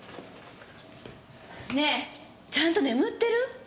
ねぇちゃんと眠ってる？